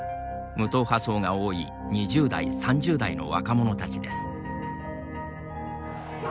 無党派層が多い２０代、３０代の若者たちです。